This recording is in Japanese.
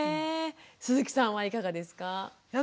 鈴木さんはいかがですか？